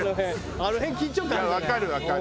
あの辺緊張感ある。